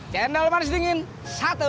cendol manis dingin satu